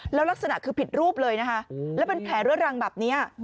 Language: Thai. แล้วลักษณะคือผิดรูปเลยนะคะแล้วเป็นแผลเรื้อรังแบบนี้